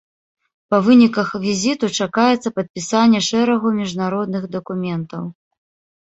Па выніках візіту чакаецца падпісанне шэрагу міжнародных дакументаў.